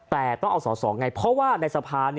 แต่ต้องเอาสอสอไงเพราะว่าในสภา